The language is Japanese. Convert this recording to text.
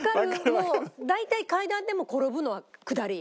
もう大体階段でも転ぶのは下り。